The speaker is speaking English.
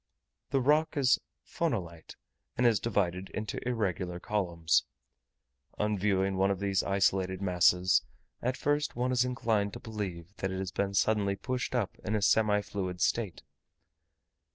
The rock is phonolite, and is divided into irregular columns. On viewing one of these isolated masses, at first one is inclined to believe that it has been suddenly pushed up in a semi fluid state.